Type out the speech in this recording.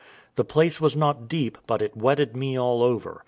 The place was not deep, but it wetted me all over.